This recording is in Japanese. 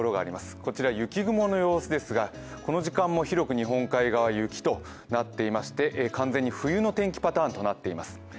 こちら雪雲の様子ですがこの時間も広く日本海側、雪となっていまして完全に冬の天気パターンとなっています。